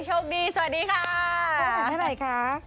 โชคดีสวัสดีค่ะ